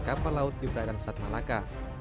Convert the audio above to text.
kapal laut di perairan selat malaka